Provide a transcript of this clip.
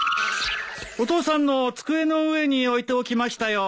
お父さんの机の上に置いておきましたよ。